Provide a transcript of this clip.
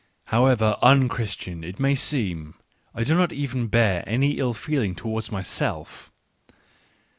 However un Christian it may seem, I do not even bear any ill feeling towards myself.